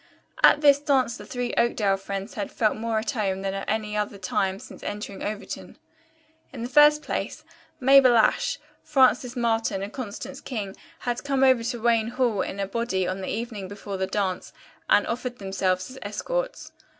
At this dance the three Oakdale friends had felt more at home than at any other time since entering Overton. In the first place, Mabel Ashe, Frances Marlton and Constance King had come over to Wayne Hall in a body on the evening before the dance and offered themselves as escorts.